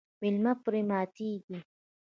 میلمه پرې ماتیږي.